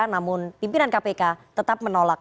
namun pimpinan kpk tetap menolak